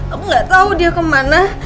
aku gak tau dia kemana